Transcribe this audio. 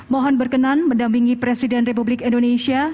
mohon berkenan mendampingi presiden republik indonesia